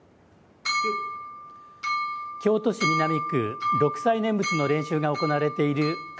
京都市南区、六斎念仏の練習が行われている上